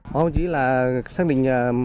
không chỉ là xác định